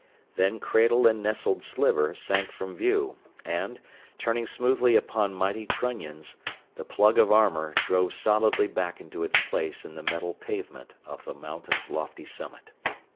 Then cradle and nestled Sliver sank from view and, turning smoothly upon mighty trunnions, the plug of armor drove solidly back into its place in the metal pavement of the mountain's lofty summit.